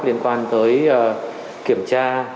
liên quan tới kiểm tra